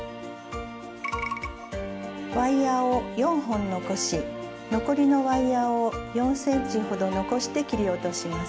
ワイヤーを４本残し残りのワイヤーを４ｃｍほど残して切り落とします。